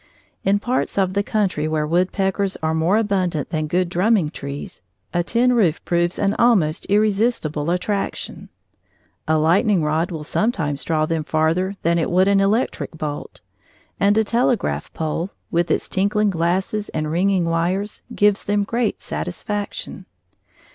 In parts of the country where woodpeckers are more abundant than good drumming trees, a tin roof proves an almost irresistible attraction. A lightning rod will sometimes draw them farther than it would an electric bolt; and a telegraph pole, with its tinkling glasses and ringing wires, gives them great satisfaction.